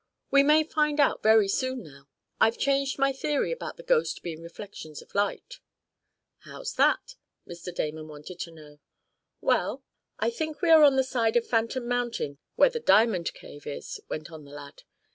"We may find out very soon, now. I've changed my theory about the ghost being reflections of light." "How's that?" Mr. Damon wanted to know. "Well, I think we are on the side of Phantom Mountain where the diamond cave is," went on the lad.